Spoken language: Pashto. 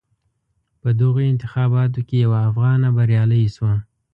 په دغو انتخاباتو کې یوه افغانه بریالی شوه.